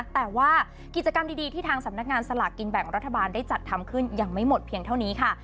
แต่ว่ากิจกรรมดีที่ทางสำนักงานสลากกินแบ่งรัฐบาลได้จัดทำขึ้นยังไม่หมดเพียงเท่านี้ค่ะ